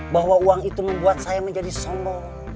bahwa uang itu membuat saya menjadi sombong